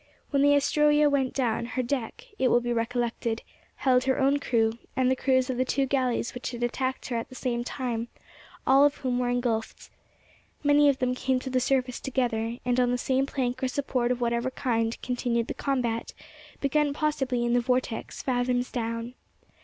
When the Astroea went down, her deck, it will be recollected, held her own crew, and the crews of the two galleys which had attacked her at the same time, all of whom were ingulfed. Many of them came to the surface together, and on the same plank or support of whatever kind continued the combat, begun possibly in the vortex fathoms down.